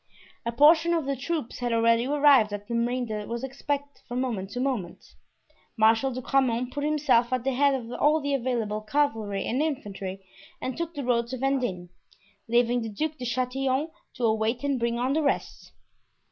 A portion of the troops had already arrived and the remainder was expected from moment to moment. Marshal de Grammont put himself at the head of all the available cavalry and infantry and took the road to Vendin, leaving the Duc de Chatillon to await and bring on the rest.